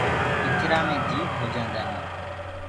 ڪِچرآ مي جيت هوجآندآ هينٚ۔